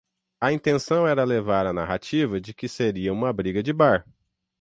A intenção era levar a narrativa de que "seria uma briga de bar"